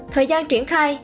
thời gian triển khai